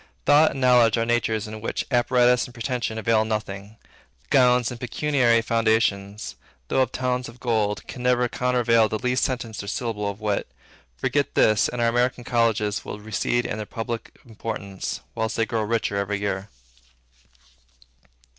Thought and knowledge are natures in which apparatus and pretension avail nothing. Gowns, and pecuniary foundations, though of towns of gold, can never countervail the least sentence or syllable of wit. Forget this, and our American colleges will recede in their public importance, whilst they grow richer every year.